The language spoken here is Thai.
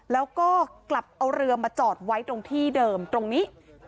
แล้วก็กลับเอาเรือมาจอดไว้ตรงที่เดิมตรงนี้